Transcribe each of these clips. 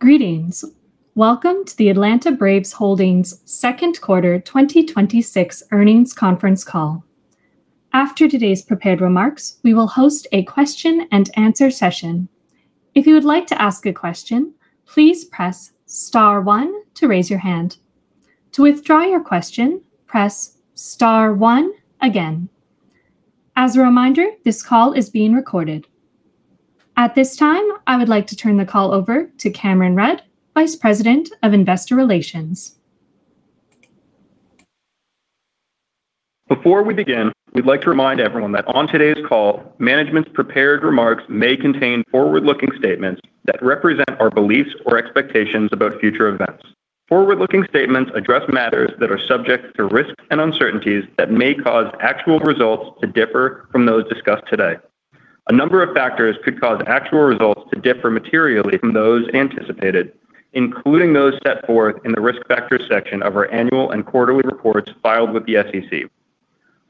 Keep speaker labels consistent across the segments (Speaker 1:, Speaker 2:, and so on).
Speaker 1: Greetings. Welcome to the Atlanta Braves Holdings second quarter 2026 earnings conference call. After today's prepared remarks, we will host a Q&A session. If you would like to ask a question, please press star one to raise your hand. To withdraw your question, press star one again. As a reminder, this call is being recorded. At this time, I would like to turn the call over to Cameron Rudd, Vice President of Investor Relations.
Speaker 2: Before we begin, we'd like to remind everyone that on today's call, management's prepared remarks may contain forward-looking statements that represent our beliefs or expectations about future events. Forward-looking statements address matters that are subject to risks and uncertainties that may cause actual results to differ from those discussed today. A number of factors could cause actual results to differ materially from those anticipated, including those set forth in the Risk Factors section of our annual and quarterly reports filed with the SEC.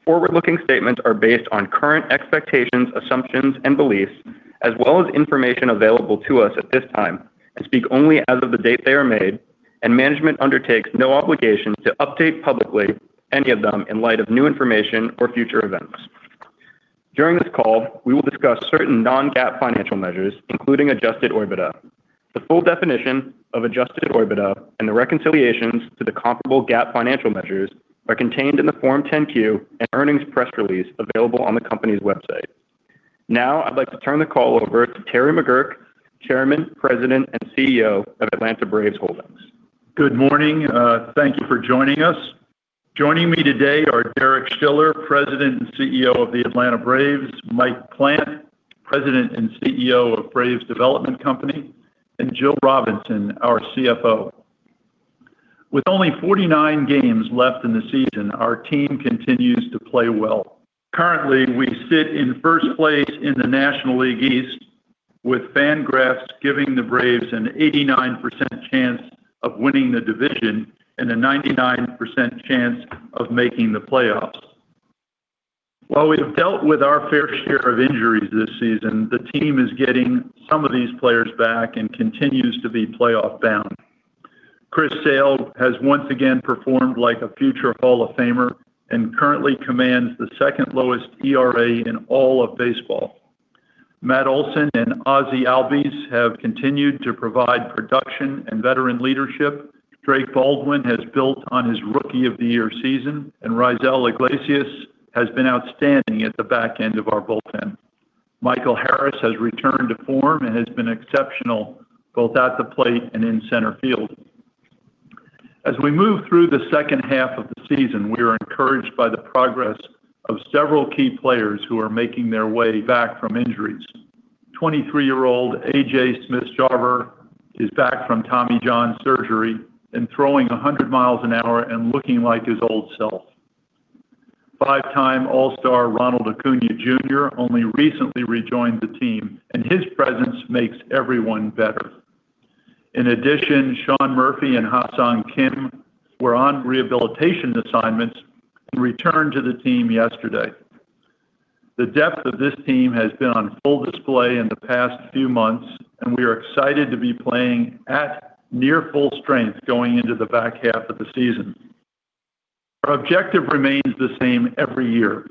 Speaker 2: Forward-looking statements are based on current expectations, assumptions, and beliefs, as well as information available to us at this time and speak only as of the date they are made, and management undertakes no obligation to update publicly any of them in light of new information or future events. During this call, we will discuss certain non-GAAP financial measures, including adjusted OIBDA. The full definition of adjusted OIBDA and the reconciliations to the comparable GAAP financial measures are contained in the Form 10-Q and earnings press release available on the company's website. Now I'd like to turn the call over to Terry McGuirk, Chairman, President, and CEO of Atlanta Braves Holdings.
Speaker 3: Good morning. Thank you for joining us. Joining me today are Derek Schiller, President and CEO of the Atlanta Braves, Mike Plant, President and CEO of Braves Development Company, and Jill Robinson, our CFO. With only 49 games left in the season, our team continues to play well. Currently, we sit in first place in the National League East with FanGraphs giving the Braves an 89% chance of winning the division and a 99% chance of making the playoffs. While we have dealt with our fair share of injuries this season, the team is getting some of these players back and continues to be playoff bound. Chris Sale has once again performed like a future hall of famer and currently commands the second lowest ERA in all of baseball. Matt Olson and Ozzie Albies have continued to provide production and veteran leadership. Drake Baldwin has built on his Rookie of the Year season, Raisel Iglesias has been outstanding at the back end of our bullpen. Michael Harris has returned to form and has been exceptional both at the plate and in center field. As we move through the second half of the season, we are encouraged by the progress of several key players who are making their way back from injuries. 23-year-old AJ Smith-Shawver is back from Tommy John surgery and throwing 100 mi an hour and looking like his old self. Five-time All-Star Ronald Acuña Jr. only recently rejoined the team, and his presence makes everyone better. In addition, Sean Murphy and Ha-Seong Kim were on rehabilitation assignments and returned to the team yesterday. The depth of this team has been on full display in the past few months, and we are excited to be playing at near full strength going into the back half of the season. Our objective remains the same every year: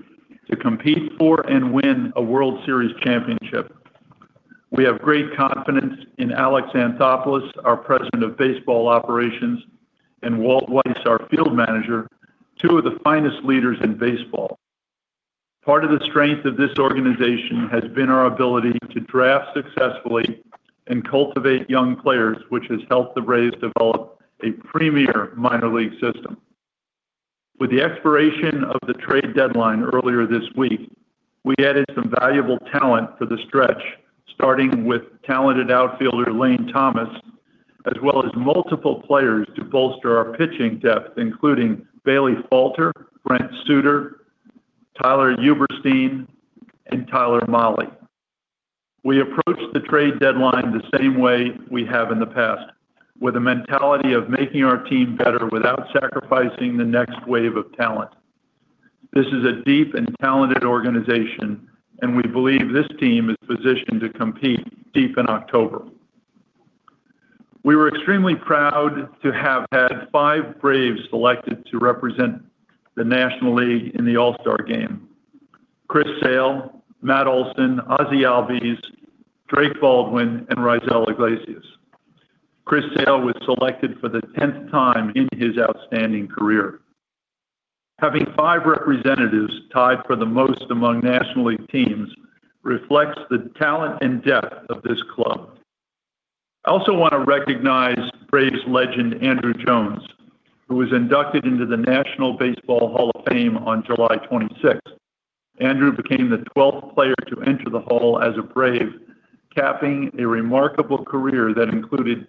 Speaker 3: to compete for and win a World Series championship. We have great confidence in Alex Anthopoulos, our President of Baseball Operations, and Walt Weiss, our Field Manager, two of the finest leaders in baseball. Part of the strength of this organization has been our ability to draft successfully and cultivate young players, which has helped the Braves develop a premier minor league system. With the expiration of the trade deadline earlier this week, we added some valuable talent for the stretch, starting with talented outfielder Lane Thomas, as well as multiple players to bolster our pitching depth, including Bailey Falter, Brent Suter, Tyler Uberstine, and Tyler Mahle. We approached the trade deadline the same way we have in the past, with a mentality of making our team better without sacrificing the next wave of talent. This is a deep and talented organization, and we believe this team is positioned to compete deep in October. We were extremely proud to have had five Braves selected to represent the National League in the All-Star Game. Chris Sale, Matt Olson, Ozzie Albies, Drake Baldwin, and Raisel Iglesias. Chris Sale was selected for the 10th time in his outstanding career. Having five representatives tied for the most among National League teams reflects the talent and depth of this club. I also want to recognize Braves legend Andruw Jones, who was inducted into the National Baseball Hall of Fame on July 26th. Andruw became the 12th player to enter the hall as a Brave, capping a remarkable career that included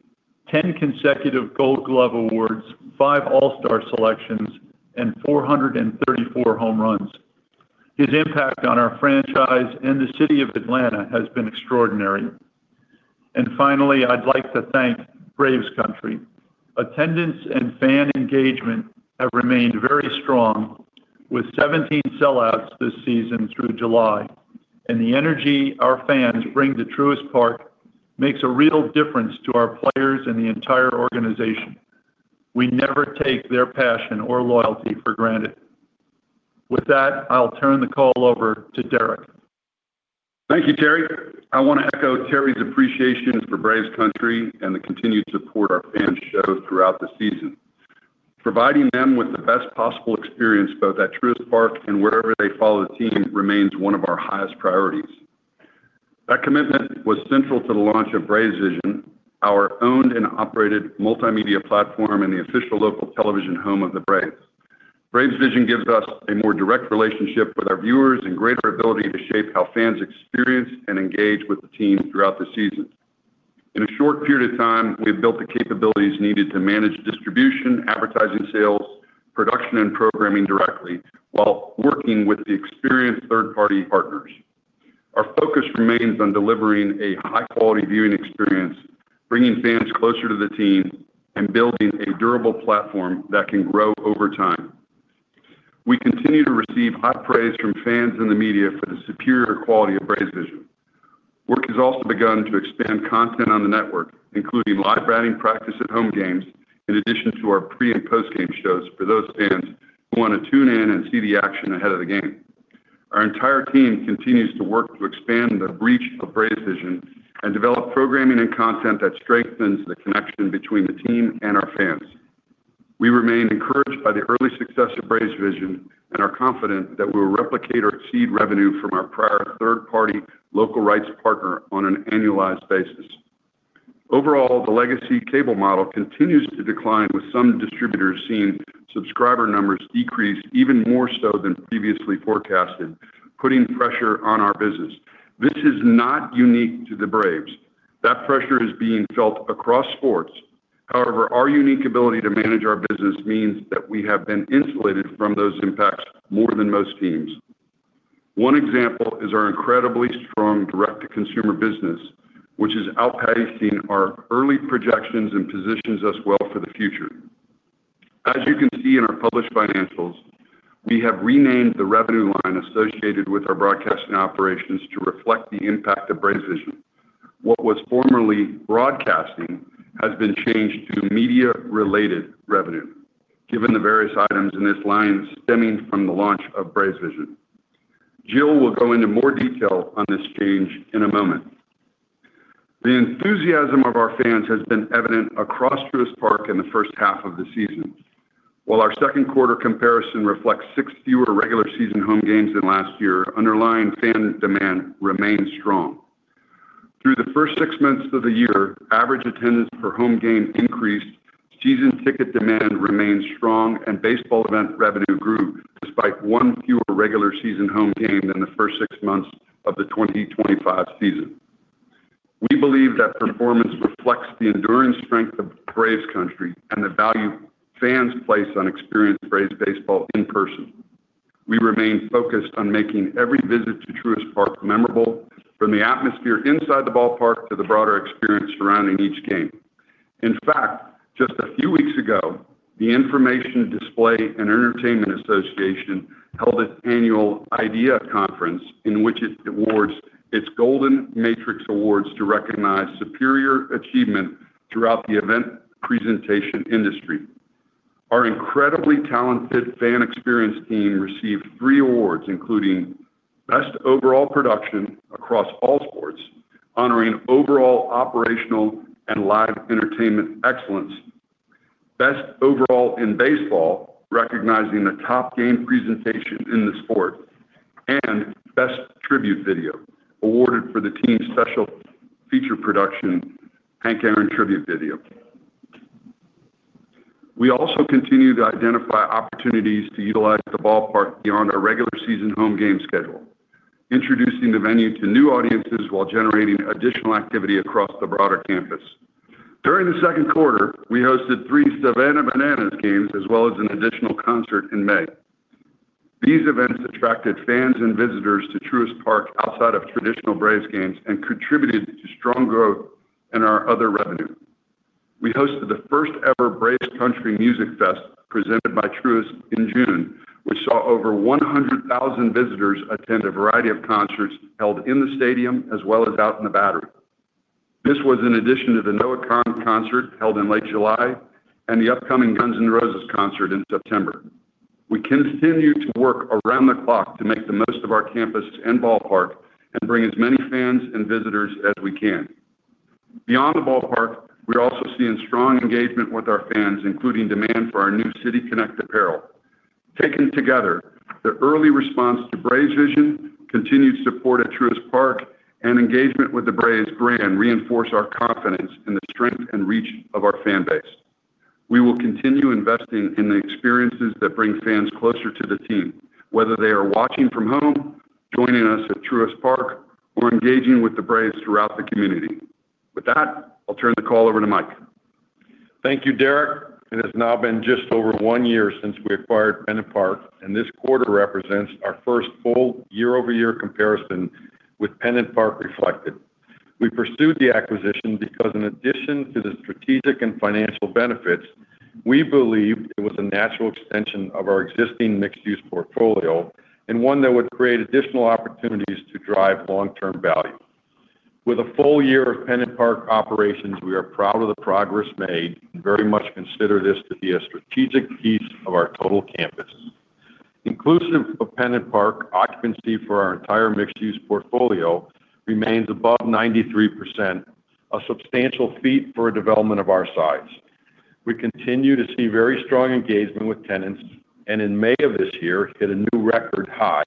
Speaker 3: 10 consecutive Gold Glove awards, five All-Star selections, and 434 home runs. His impact on our franchise and the city of Atlanta has been extraordinary. Finally, I'd like to thank Braves Country. Attendance and fan engagement have remained very strong with 17 sellouts this season through July. The energy our fans bring to Truist Park makes a real difference to our players and the entire organization. We never take their passion or loyalty for granted. With that, I'll turn the call over to Derek.
Speaker 4: Thank you, Terry. I want to echo Terry's appreciation for Braves Country and the continued support our fans showed throughout the season. Providing them with the best possible experience, both at Truist Park and wherever they follow the team, remains one of our highest priorities. That commitment was central to the launch of BravesVision, our owned and operated multimedia platform and the official local television home of the Braves. BravesVision gives us a more direct relationship with our viewers and greater ability to shape how fans experience and engage with the team throughout the season. In a short period of time, we have built the capabilities needed to manage distribution, advertising sales, production, and programming directly, while working with the experienced third-party partners. Our focus remains on delivering a high-quality viewing experience, bringing fans closer to the team, and building a durable platform that can grow over time. We continue to receive high praise from fans and the media for the superior quality of BravesVision. Work has also begun to expand content on the network, including live batting practice at home games, in addition to our pre- and post-game shows for those fans who want to tune in and see the action ahead of the game. Our entire team continues to work to expand the reach of BravesVision and develop programming and content that strengthens the connection between the team and our fans. We remain encouraged by the early success of BravesVision and are confident that we will replicate or exceed revenue from our prior third-party local rights partner on an annualized basis. Overall, the legacy cable model continues to decline, with some distributors seeing subscriber numbers decrease even more so than previously forecasted, putting pressure on our business. This is not unique to the Braves. That pressure is being felt across sports. However, our unique ability to manage our business means that we have been insulated from those impacts more than most teams. One example is our incredibly strong direct-to-consumer business, which is outpacing our early projections and positions us well for the future. As you can see in our published financials, we have renamed the revenue line associated with our broadcasting operations to reflect the impact of BravesVision. What was formerly broadcasting has been changed to media-related revenue, given the various items in this line stemming from the launch of BravesVision. Jill will go into more detail on this change in a moment. The enthusiasm of our fans has been evident across Truist Park in the first half of the season. While our second quarter comparison reflects six fewer regular season home games than last year, underlying fan demand remains strong. Through the first six months of the year, average attendance per home game increased, season ticket demand remained strong, and baseball event revenue grew despite one fewer regular season home game than the first six months of the 2025 season. We believe that performance reflects the enduring strength of Braves Country and the value fans place on experiencing Braves baseball in person. We remain focused on making every visit to Truist Park memorable, from the atmosphere inside the ballpark to the broader experience surrounding each game. In fact, just a few weeks ago, the Information Display & Entertainment Association held its annual IDEA conference, in which it awards its Golden Matrix Awards to recognize superior achievement throughout the event presentation industry. Our incredibly talented fan experience team received three awards, including Best Overall Production across all sports, honoring overall operational and live entertainment excellence, Best Overall in Baseball, recognizing the top game presentation in the sport, and Best Tribute Video, awarded for the team's special feature production, Hank Aaron tribute video. We also continue to identify opportunities to utilize the ballpark beyond our regular season home game schedule, introducing the venue to new audiences while generating additional activity across the broader campus. During the second quarter, we hosted three Savannah Bananas games, as well as an additional concert in May. These events attracted fans and visitors to Truist Park outside of traditional Braves games and contributed to strong growth in our other revenue. We hosted the first-ever Braves Country Fest presented by Truist in June, which saw over 100,000 visitors attend a variety of concerts held in the stadium as well as out in The Battery. This was in addition to the Noah Kahan concert held in late July and the upcoming Guns N' Roses concert in September. We continue to work around the clock to make the most of our campus and ballpark, and bring as many fans and visitors as we can. Beyond the ballpark, we're also seeing strong engagement with our fans, including demand for our new City Connect apparel. Taken together, the early response to BravesVision, continued support at Truist Park, and engagement with the Braves brand reinforce our confidence in the strength and reach of our fan base. We will continue investing in the experiences that bring fans closer to the team, whether they are watching from home, joining us at Truist Park, or engaging with the Braves throughout the community. With that, I'll turn the call over to Mike.
Speaker 5: Thank you, Derek. It has now been just over one year since we acquired Pennant Park, and this quarter represents our first full year-over-year comparison with Pennant Park reflected. We pursued the acquisition because in addition to the strategic and financial benefits, we believed it was a natural extension of our existing mixed-use portfolio and one that would create additional opportunities to drive long-term value. With a full year of Pennant Park operations, we are proud of the progress made and very much consider this to be a strategic piece of our total campus. Inclusive of Pennant Park, occupancy for our entire mixed-use portfolio remains above 93%, a substantial feat for a development of our size. We continue to see very strong engagement with tenants and in May of this year, hit a new record high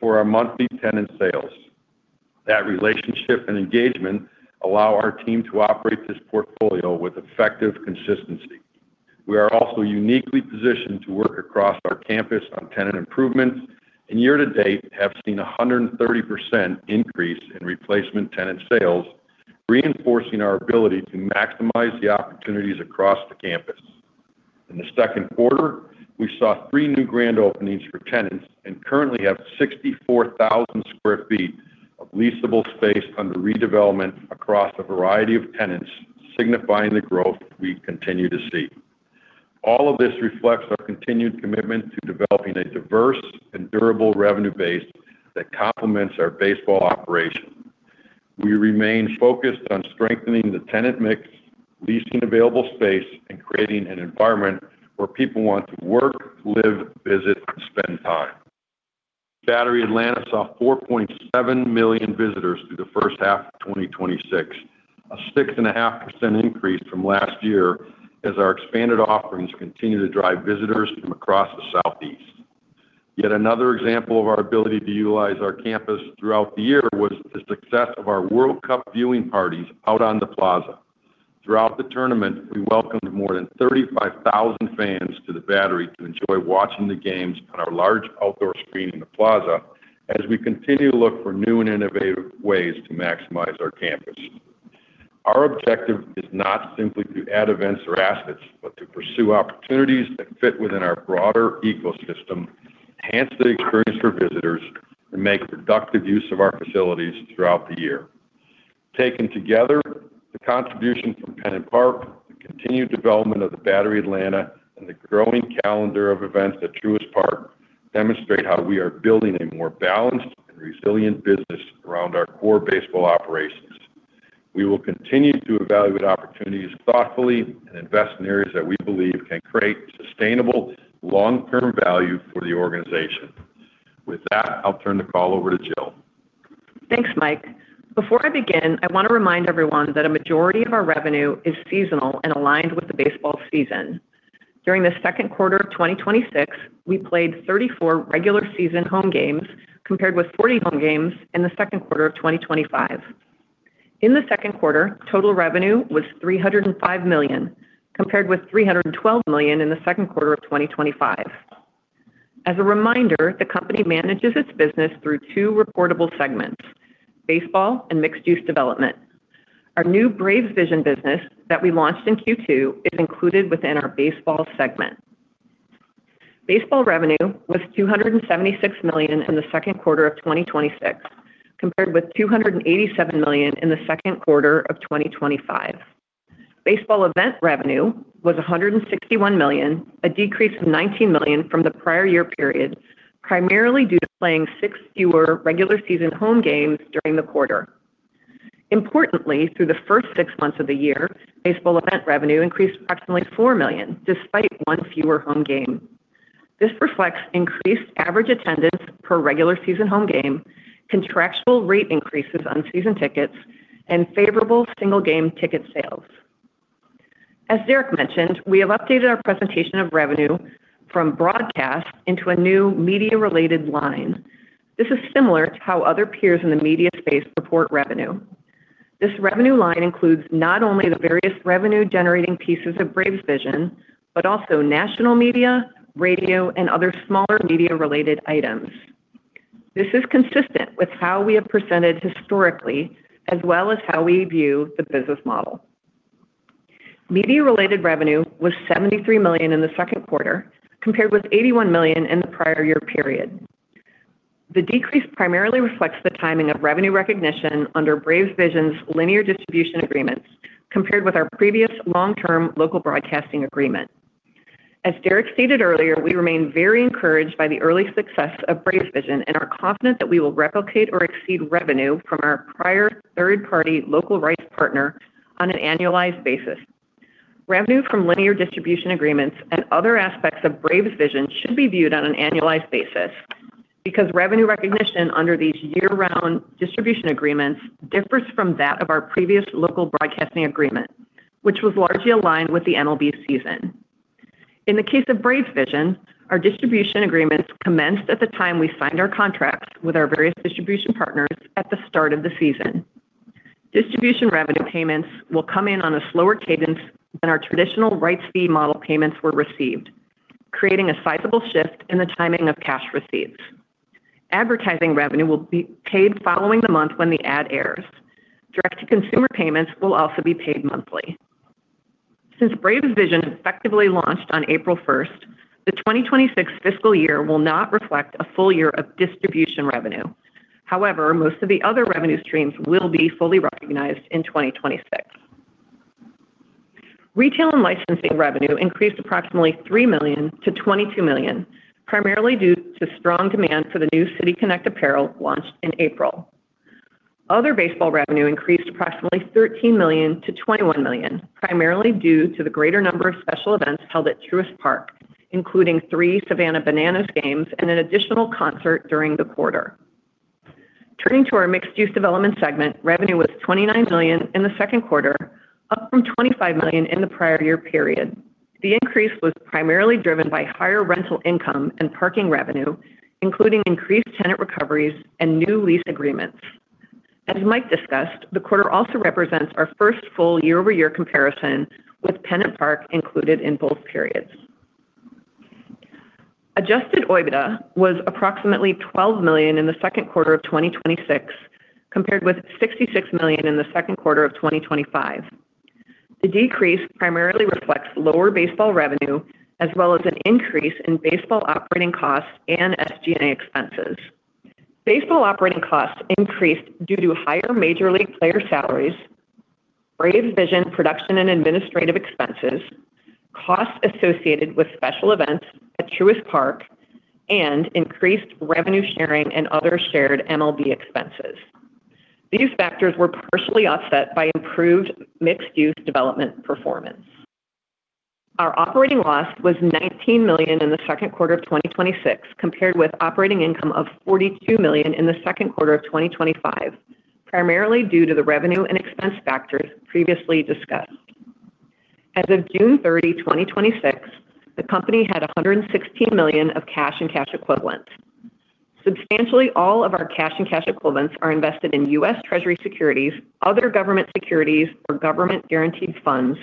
Speaker 5: for our monthly tenant sales. That relationship and engagement allow our team to operate this portfolio with effective consistency. We are also uniquely positioned to work across our campus on tenant improvements, year to date have seen 130% increase in replacement tenant sales, reinforcing our ability to maximize the opportunities across the campus. In the second quarter, we saw three new grand openings for tenants and currently have 64,000 sq ft of leasable space under redevelopment across a variety of tenants, signifying the growth we continue to see. All of this reflects our continued commitment to developing a diverse and durable revenue base that complements our baseball operation. We remain focused on strengthening the tenant mix, leasing available space, and creating an environment where people want to work, live, visit, and spend time. Battery Atlanta saw 4.7 million visitors through the first half of 2026, a 6.5% increase from last year as our expanded offerings continue to drive visitors from across the Southeast. Yet another example of our ability to utilize our campus throughout the year was the success of our World Cup viewing parties out on the plaza. Throughout the tournament, we welcomed more than 35,000 fans to the Battery to enjoy watching the games on our large outdoor screen in the plaza as we continue to look for new and innovative ways to maximize our campus. Our objective is not simply to add events or assets, but to pursue opportunities that fit within our broader ecosystem, enhance the experience for visitors, and make productive use of our facilities throughout the year. Taken together, the contribution from Pennant Park, the continued development of The Battery Atlanta, and the growing calendar of events at Truist Park demonstrate how we are building a more balanced and resilient business around our core baseball operations. We will continue to evaluate opportunities thoughtfully and invest in areas that we believe can create sustainable long-term value for the organization. With that, I'll turn the call over to Jill.
Speaker 6: Thanks, Mike. Before I begin, I want to remind everyone that a majority of our revenue is seasonal and aligned with the baseball season. During the second quarter of 2026, we played 34 regular-season home games compared with 40 home games in the second quarter of 2025. In the second quarter, total revenue was $305 million, compared with $312 million in the second quarter of 2025. As a reminder, the company manages its business through two reportable segments: baseball and mixed-use development. Our new BravesVision business that we launched in Q2 is included within our baseball segment. Baseball revenue was $276 million in the second quarter of 2026, compared with $287 million in the second quarter of 2025. Baseball event revenue was $161 million, a decrease of $19 million from the prior year period, primarily due to playing six fewer regular-season home games during the quarter. Importantly, through the first six months of the year, baseball event revenue increased approximately $4 million, despite one fewer home game. This reflects increased average attendance per regular-season home game, contractual rate increases on season tickets, and favorable single-game ticket sales. As Derek mentioned, we have updated our presentation of revenue from broadcast into a new media-related line. This is similar to how other peers in the media space report revenue. This revenue line includes not only the various revenue-generating pieces of BravesVision, but also national media, radio, and other smaller media-related items. This is consistent with how we have presented historically, as well as how we view the business model. Media-related revenue was $73 million in the second quarter, compared with $81 million in the prior year period. The decrease primarily reflects the timing of revenue recognition under BravesVision's linear distribution agreements compared with our previous long-term local broadcasting agreement. As Derek stated earlier, we remain very encouraged by the early success of BravesVision and are confident that we will replicate or exceed revenue from our prior third-party local rights partner on an annualized basis. Revenue from linear distribution agreements and other aspects of BravesVision should be viewed on an annualized basis because revenue recognition under these year-round distribution agreements differs from that of our previous local broadcasting agreement, which was largely aligned with the MLB season. In the case of BravesVision, our distribution agreements commenced at the time we signed our contracts with our various distribution partners at the start of the season. Distribution revenue payments will come in on a slower cadence than our traditional rights fee model payments were received, creating a sizable shift in the timing of cash receipts. Advertising revenue will be paid following the month when the ad airs. Direct-to-consumer payments will also be paid monthly. Since BravesVision effectively launched on April 1st, the 2026 fiscal year will not reflect a full year of distribution revenue. However, most of the other revenue streams will be fully recognized in 2026. Retail and licensing revenue increased approximately $3 million to $22 million, primarily due to strong demand for the new City Connect apparel launched in April. Other baseball revenue increased approximately $13 million to $21 million, primarily due to the greater number of special events held at Truist Park, including three Savannah Bananas games and an additional concert during the quarter. Turning to our mixed-use development segment, revenue was $29 million in the second quarter, up from $25 million in the prior year period. The increase was primarily driven by higher rental income and parking revenue, including increased tenant recoveries and new lease agreements. As Mike discussed, the quarter also represents our first full year-over-year comparison with Pennant Park included in both periods. Adjusted OIBDA was approximately $12 million in the second quarter of 2026, compared with $66 million in the second quarter of 2025. The decrease primarily reflects lower baseball revenue, as well as an increase in baseball operating costs and SG&A expenses. Baseball operating costs increased due to higher Major League player salaries, BravesVision production and administrative expenses, costs associated with special events at Truist Park, and increased revenue sharing and other shared MLB expenses. These factors were partially offset by improved mixed-use development performance. Our operating loss was $19 million in the second quarter of 2026, compared with operating income of $42 million in the second quarter of 2025, primarily due to the revenue and expense factors previously discussed. As of June 30, 2026, the company had $116 million of cash and cash equivalents. Substantially all of our cash and cash equivalents are invested in U.S. Treasury securities, other government securities or government-guaranteed funds,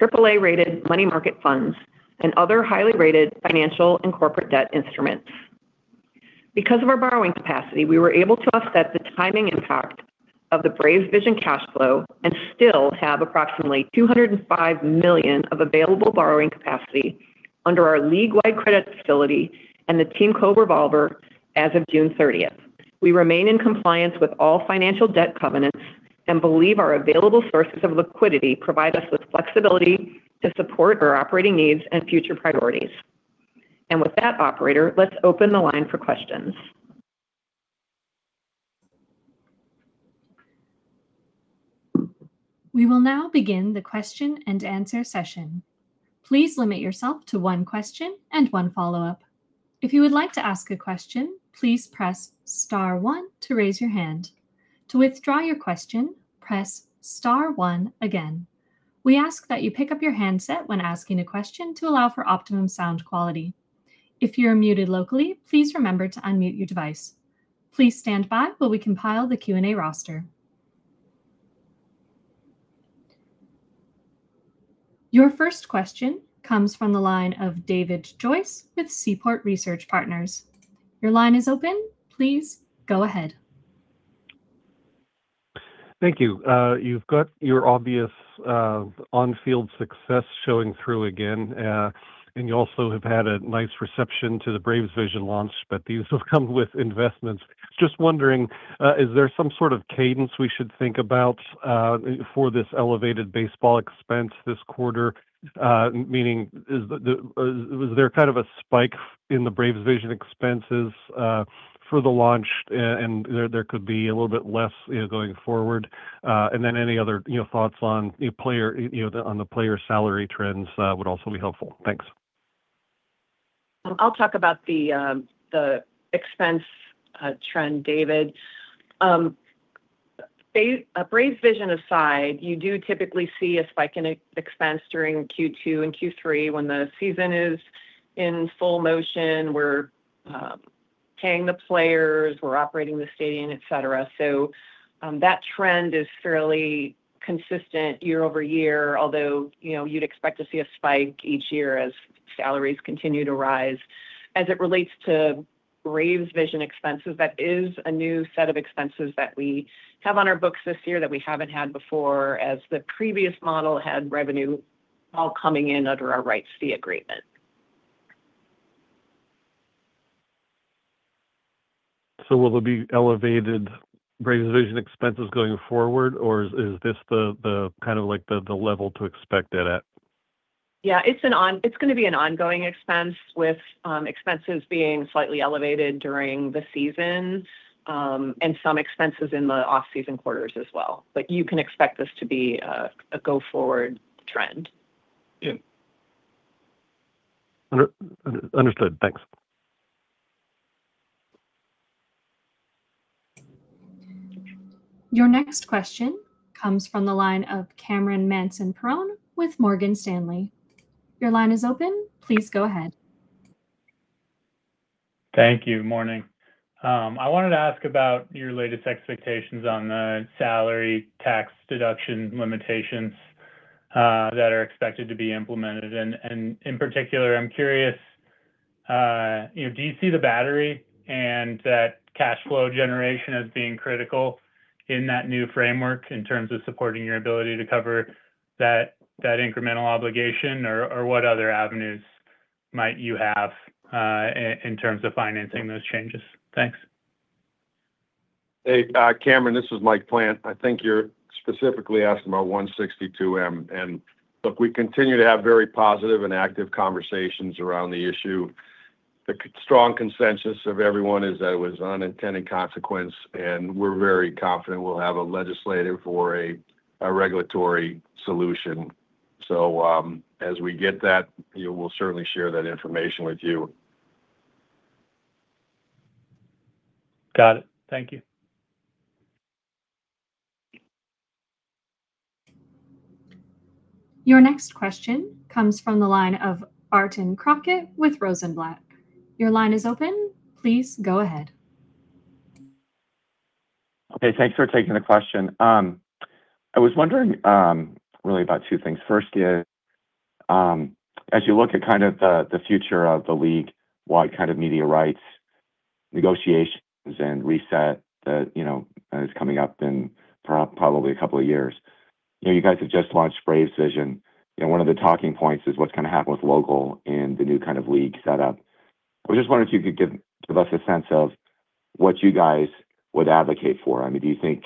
Speaker 6: AAA-rated money market funds, and other highly rated financial and corporate debt instruments. Because of our borrowing capacity, we were able to offset the timing impact of the BravesVision cash flow and still have approximately $205 million of available borrowing capacity under our league-wide credit facility and the TeamCo Revolver as of June 30th. We remain in compliance with all financial debt covenants and believe our available sources of liquidity provide us with flexibility to support our operating needs and future priorities. With that, operator, let's open the line for questions.
Speaker 1: We will now begin the Q&A session. Please limit yourself to one question and one follow-up. If you would like to ask a question, please press star one to raise your hand. To withdraw your question, press star one again. We ask that you pick up your handset when asking a question to allow for optimum sound quality. If you are muted locally, please remember to unmute your device. Please stand by while we compile the Q&A roster. Your first question comes from the line of David Joyce with Seaport Research Partners. Your line is open. Please go ahead.
Speaker 7: Thank you. You've got your obvious on-field success showing through again, and you also have had a nice reception to the BravesVision launch, but these will come with investments. Just wondering, is there some sort of cadence we should think about for this elevated baseball expense this quarter? Meaning, was there kind of a spike in the BravesVision expenses for the launch, and there could be a little bit less going forward? Any other thoughts on the player salary trends would also be helpful. Thanks.
Speaker 6: I'll talk about the expense trend, David. BravesVision aside, you do typically see a spike in expense during Q2 and Q3 when the season is in full motion. We're paying the players, we're operating the stadium, et cetera. That trend is fairly consistent year-over-year, although you'd expect to see a spike each year as salaries continue to rise. As it relates to BravesVision expenses, that is a new set of expenses that we have on our books this year that we haven't had before, as the previous model had revenue all coming in under our rights fee agreement.
Speaker 7: Will there be elevated BravesVision expenses going forward, or is this the level to expect it at?
Speaker 6: It's going to be an ongoing expense, with expenses being slightly elevated during the season and some expenses in the off-season quarters as well. You can expect this to be a go-forward trend.
Speaker 7: Yeah. Understood. Thanks.
Speaker 1: Your next question comes from the line of Cameron Mansson-Perrone with Morgan Stanley. Your line is open. Please go ahead.
Speaker 8: Thank you. Morning. I wanted to ask about your latest expectations on the salary tax deduction limitations that are expected to be implemented. In particular, I'm curious Do you see the battery and that cash flow generation as being critical in that new framework in terms of supporting your ability to cover that incremental obligation? What other avenues might you have in terms of financing those changes? Thanks.
Speaker 5: Hey, Cameron. This is Mike Plant. I think you're specifically asking about 162. Look, we continue to have very positive and active conversations around the issue. The strong consensus of everyone is that it was unintended consequence, and we're very confident we'll have a legislative or a regulatory solution. As we get that, we'll certainly share that information with you.
Speaker 8: Got it. Thank you.
Speaker 1: Your next question comes from the line of Barton Crockett with Rosenblatt. Your line is open. Please go ahead.
Speaker 9: Okay. Thanks for taking the question. I was wondering really about two things. First is, as you look at the future of the league wide kind of media rights, negotiations and reset that is coming up in probably a couple of years. You guys have just launched BravesVision, and one of the talking points is what's going to happen with local and the new kind of league set up. I was just wondering if you could give us a sense of what you guys would advocate for. Do you think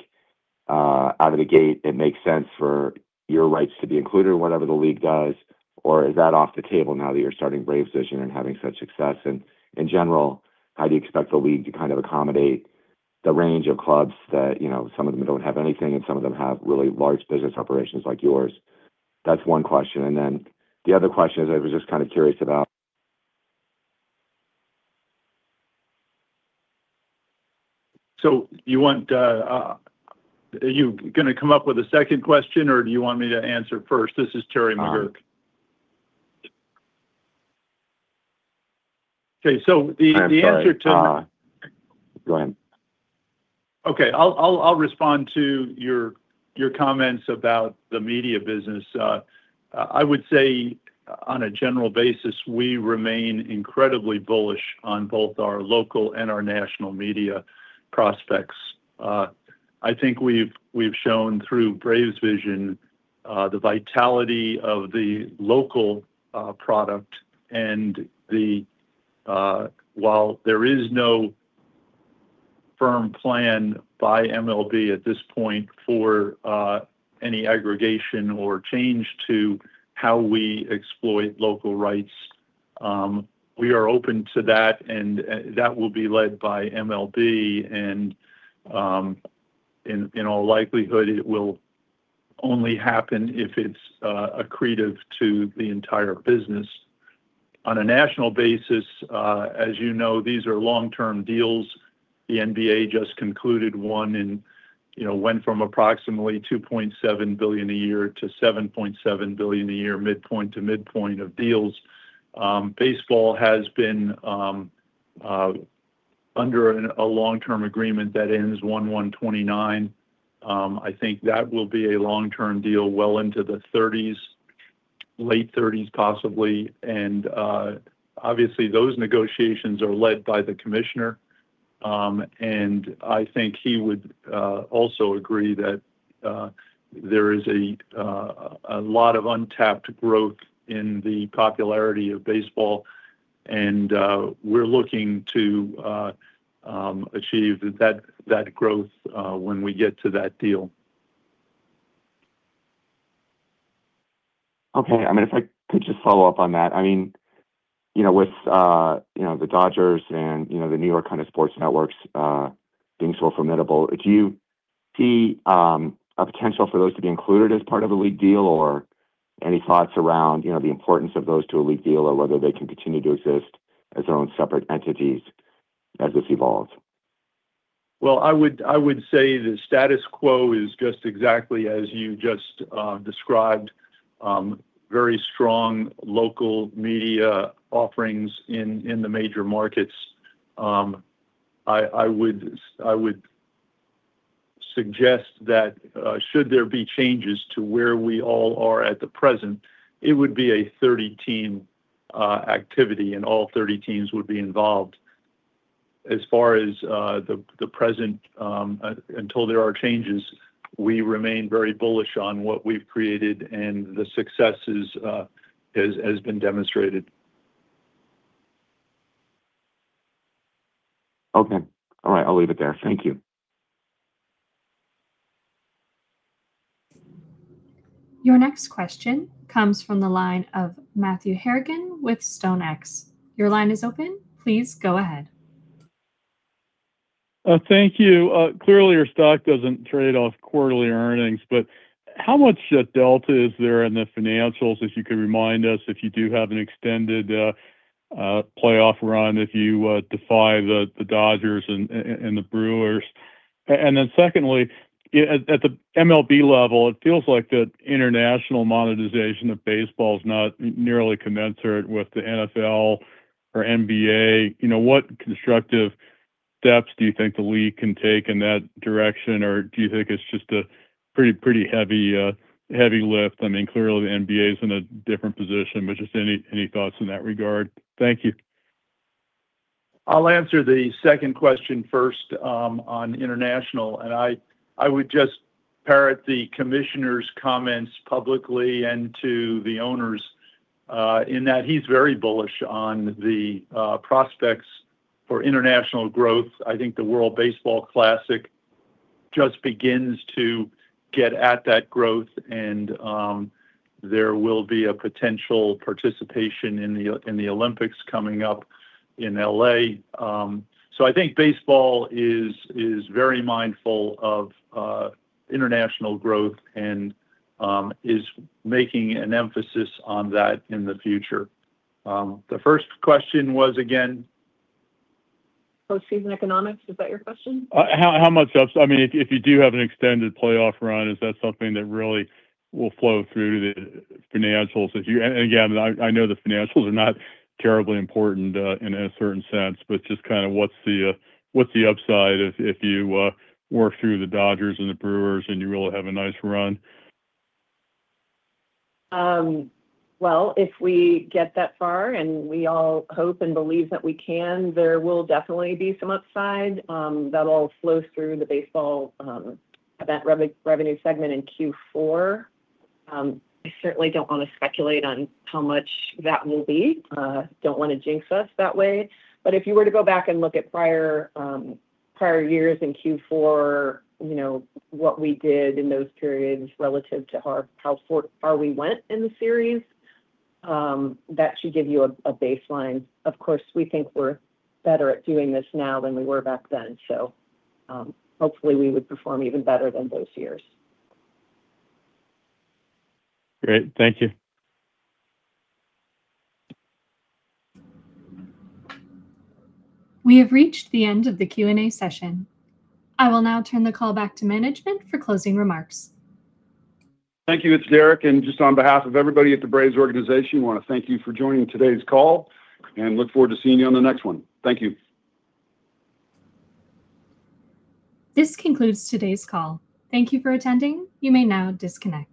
Speaker 9: out of the gate it makes sense for your rights to be included in whatever the league does? Or is that off the table now that you're starting BravesVision and having such success? In general, how do you expect the league to kind of accommodate the range of clubs that some of them don't have anything and some of them have really large business operations like yours? That's one question, the other question is.
Speaker 3: Are you going to come up with a second question, or do you want me to answer first? This is Terry McGuirk. Okay.
Speaker 9: I'm sorry. Go ahead.
Speaker 3: Okay. I'll respond to your comments about the media business. I would say on a general basis, we remain incredibly bullish on both our local and our national media prospects. I think we've shown through BravesVision the vitality of the local product, and while there is no firm plan by MLB at this point for any aggregation or change to how we exploit local rights, we are open to that, and that will be led by MLB, and in all likelihood, it will only happen if it's accretive to the entire business. On a national basis, as you know, these are long-term deals. The NBA just concluded one and went from approximately $2.7 billion a year to $7.7 billion a year, midpoint to midpoint of deals. Baseball has been under a long-term agreement that ends 1/1/2029. I think that will be a long-term deal well into the 2030s, late 2030s possibly. Obviously those negotiations are led by the commissioner, and I think he would also agree that there is a lot of untapped growth in the popularity of baseball, and we're looking to achieve that growth when we get to that deal.
Speaker 9: Okay. If I could just follow up on that. With the Dodgers and the New York kind of sports networks being so formidable, do you see a potential for those to be included as part of a league deal? Or any thoughts around the importance of those to a league deal or whether they can continue to exist as their own separate entities as this evolves?
Speaker 3: Well, I would say the status quo is just exactly as you just described, very strong local media offerings in the major markets. I would suggest that should there be changes to where we all are at the present, it would be a 30-team activity, and all 30 teams would be involved. As far as the present, until there are changes, we remain very bullish on what we've created and the successes as has been demonstrated.
Speaker 9: Okay. All right. I'll leave it there. Thank you.
Speaker 1: Your next question comes from the line of Matthew Harrigan with StoneX. Your line is open. Please go ahead.
Speaker 10: Thank you. Clearly, your stock doesn't trade off quarterly earnings, how much delta is there in the financials, if you could remind us if you do have an extended playoff run, if you defy the Dodgers and the Brewers? Secondly, at the MLB level, it feels like the international monetization of baseball is not nearly commensurate with the NFL or NBA. What constructive steps do you think the league can take in that direction? Do you think it's just a pretty heavy lift? Clearly the NBA's in a different position, just any thoughts in that regard? Thank you.
Speaker 3: I'll answer the second question first on international, I would just parrot the commissioner's comments publicly and to the owners in that he's very bullish on the prospects for international growth. I think the World Baseball Classic just begins to get at that growth, there will be a potential participation in the Olympics coming up in L.A. I think baseball is very mindful of international growth and is making an emphasis on that in the future. The first question was again?
Speaker 6: Post-season economics, was that your question?
Speaker 10: If you do have an extended playoff run, is that something that really will flow through the financials? Again, I know the financials are not terribly important in a certain sense, just what's the upside if you work through the Dodgers and the Brewers and you really have a nice run?
Speaker 6: If we get that far, and we all hope and believe that we can, there will definitely be some upside that'll flow through the baseball event revenue segment in Q4. I certainly don't want to speculate on how much that will be. Don't want to jinx us that way. If you were to go back and look at prior years in Q4, what we did in those periods relative to how far we went in the series, that should give you a baseline. Of course, we think we're better at doing this now than we were back then. Hopefully we would perform even better than those years.
Speaker 10: Great. Thank you.
Speaker 1: We have reached the end of the Q&A session. I will now turn the call back to management for closing remarks.
Speaker 4: Thank you. It's Derek, and just on behalf of everybody at the Braves organization, I want to thank you for joining today's call and look forward to seeing you on the next one. Thank you.
Speaker 1: This concludes today's call. Thank you for attending. You may now disconnect.